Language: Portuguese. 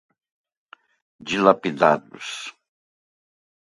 dilapidados